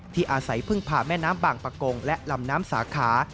อาศัยพึ่งพาแม่น้ำบางประกงและลำน้ำสาขา